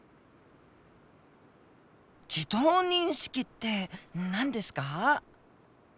自動認識って何ですか？